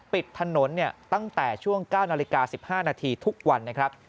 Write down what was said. ปิดถนนตั้งแต่ช่วง๙นาฬิกา๑๕นาทีทุกวันนะครับ